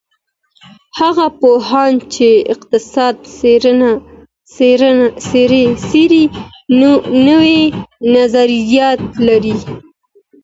هغه پوهان چی اقتصاد څېړي نوي نظريات لري.